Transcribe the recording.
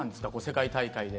世界大会で。